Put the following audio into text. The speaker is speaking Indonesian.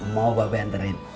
mau bapak enterin